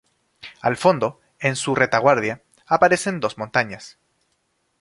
Al fondo, en su retaguardia, aparecen dos montañas.